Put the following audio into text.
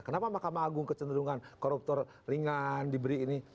kenapa mahkamah agung kecenderungan koruptor ringan diberi ini